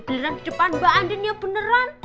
giliran di depan mbak andinnya beneran